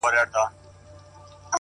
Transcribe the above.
محلونه په جرگو کي را ايسار دي _